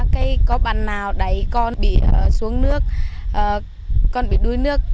cái có bạn nào đẩy con bị xuống nước con bị đuôi nước